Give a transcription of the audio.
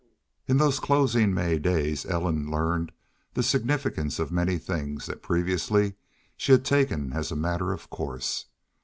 In those closing May days Ellen learned the significance of many things that previously she had taken as a matter of course.